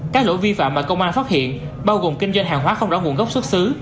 các lỗi vi phạm mà công an phát hiện bao gồm kinh doanh hàng hóa không rõ nguồn gốc xuất xứ